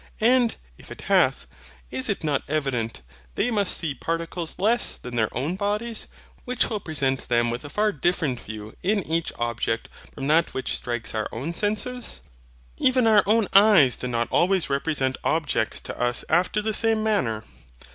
And if it hath, is it not evident they must see particles less than their own bodies; which will present them with a far different view in each object from that which strikes our senses? Even our own eyes do not always represent objects to us after the same manner.